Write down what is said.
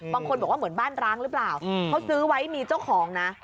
บางคนบอกว่าเหมือนบ้านร้างหรือเปล่าเขาซื้อไว้มีเจ้าของนะ